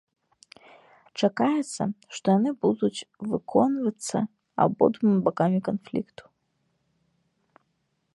Чакаецца, што яны будуць выконваецца абодвума бакамі канфлікту.